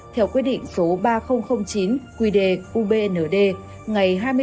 theo quy định số ba nghìn chín quy đề ubnd ngày hai mươi bốn tháng bảy năm hai nghìn hai mươi ba của ubnd thành phố